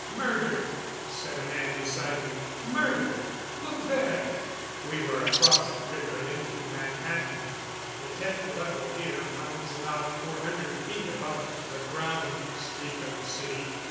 "Murdered!" said a man beside me. "Murdered! Look there!" We were across the river, into Manhattan. The Tenth Level here runs about four hundred feet above the ground street of the city.